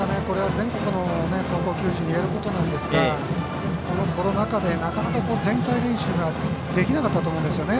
これは全国の高校球児にいえることなんですがこのコロナ禍でなかなか全体練習ができなかったと思うんですね